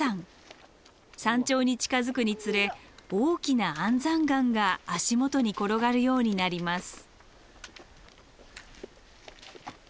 山頂に近づくにつれ大きな安山岩が足元に転がるようになります。